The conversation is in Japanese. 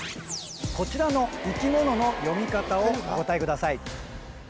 こちらの生き物の読み方をお答えください